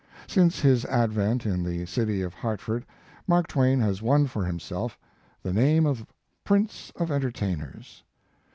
Since his advent in the city of Hart ford, Mark Twain has won for himself 172 Mark Twain the name of "prince of entertainers."